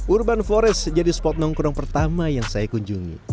urban forest jadi spot nongkrong pertama yang saya kunjungi